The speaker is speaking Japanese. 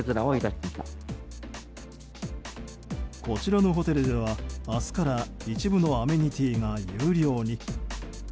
こちらのホテルでは、明日から一部のアメニティーが有料に。